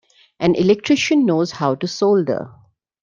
An electrician knows how to solder.